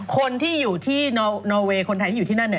คนที่อยู่ที่นอเวย์คนไทยที่อยู่ที่นั่นเนี่ย